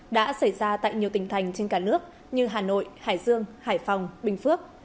đã xảy ra tại nhiều tỉnh thành trên cả nước như hà nội hải dương hải phòng bình phước